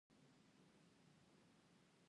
هغه شپه ګرمي خورا زیاته وه چې خوب یې نه راته.